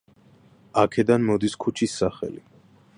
აქედან მოდის ქუჩის სახელი.